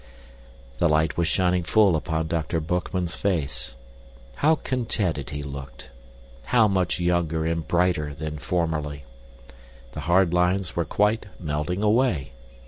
The light was shining full upon Dr. Boekman's face. How contented he looked; how much younger and brighter than formerly. The hard lines were quite melting away.